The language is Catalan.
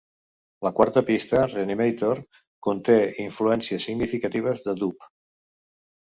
La quarta pista, "Reanimator", conté influències significatives de dub.